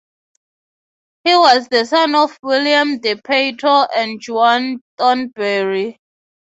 He was the son of William de Peyto and Joan Thornbury.